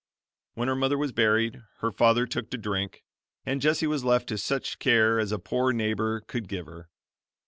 When her mother was buried, her father took to drink, and Jessie was left to such care as a poor neighbor could give her.